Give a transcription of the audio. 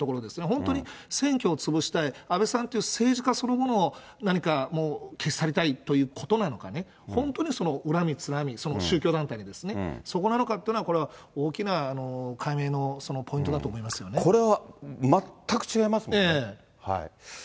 本当に選挙を潰したい、安倍さんという政治家そのものを何か消し去りたいということなのかね、本当に恨みつらみ、その宗教団体にね、そこなのかっていうのは、これは大きな解明のポイントだと思いまこれは全く違いますもんね。